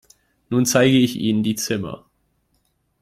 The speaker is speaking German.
Nun zeige ich Ihnen die Zimmer.